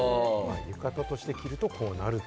浴衣として着るとこうなると。